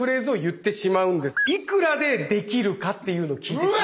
「いくらでできるか」っていうのを聞いてしまう。